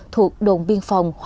thuộc đồn biên phòng